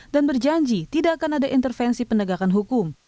dan berjanji tidak akan ada intervensi penegakan hukum